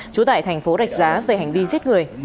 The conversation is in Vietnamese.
trú tại thành phố rạch giá về hành vi giết người